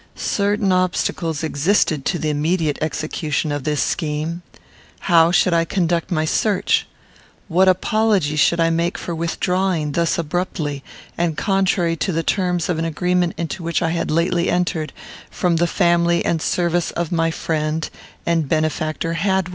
Certain obstacles existed to the immediate execution of this scheme. How should I conduct my search? What apology should I make for withdrawing thus abruptly, and contrary to the terms of an agreement into which I had lately entered, from the family and service of my friend and benefactor Hadwin?